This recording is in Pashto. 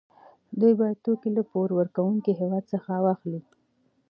دوی باید توکي له پور ورکوونکي هېواد څخه واخلي